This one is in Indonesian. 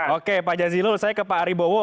oke pak jazilul saya ke pak aribowo